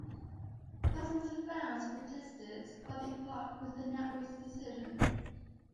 Thousands of fans protested what they thought was the network's decision.